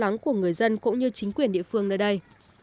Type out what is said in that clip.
lắng của người dân cũng như chính quyền địa phương nơi đây